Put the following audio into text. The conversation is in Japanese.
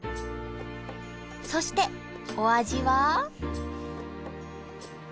そしてお味は？